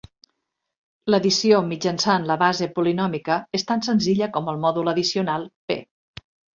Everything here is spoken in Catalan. L'addició mitjançant la base polinòmica és tan senzilla com el mòdul addicional "p".